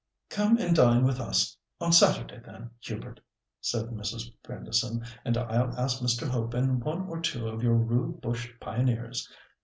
"Come and dine with us on Saturday, then, Hubert," said Mrs. Grandison, and I'll ask Mr. Hope and one or two of your rude bush pioneers.